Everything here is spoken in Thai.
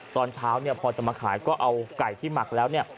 ตอนเช้าเนี่ยพอจะมาขายก็เอาไก่ที่หมักแล้วเนี่ย